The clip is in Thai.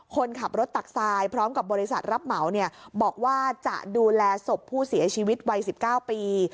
คนขับรถตักทรายพร้อมกับบริษัทรับเหมาเนี่ยบอกว่าจะดูแลศพผู้เสียชีวิตวัย๑๙ปี